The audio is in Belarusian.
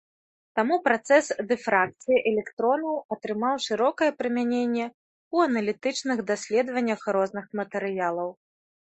Таму працэс дыфракцыі электронаў атрымаў шырокае прымяненне ў аналітычных даследаваннях розных матэрыялаў.